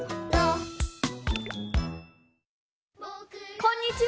こんにちは！